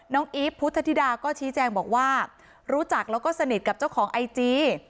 อีฟพุทธธิดาก็ชี้แจงบอกว่ารู้จักแล้วก็สนิทกับเจ้าของไอจี